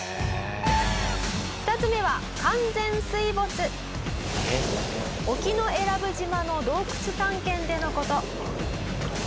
「２つ目は完全水没」「沖永良部島の洞窟探検での事」